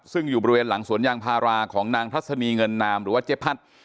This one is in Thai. ซึ่งอยู่บริเวณหลังสวนยางพาราของนางทัศนีเงินนามหรือว่าเจ๊พัด